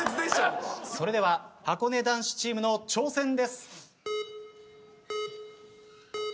それでははこね男子チームの挑戦です。